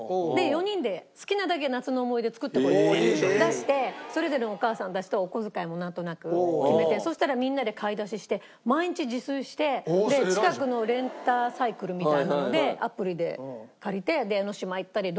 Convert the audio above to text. ４人で好きなだけ夏の思い出作ってこいって出してそれぞれのお母さんたちとお小遣いもなんとなく決めてそしたらみんなで買い出しして毎日自炊して近くのレンタサイクルみたいなのでアプリで借りて江の島行ったりどことか行ったり。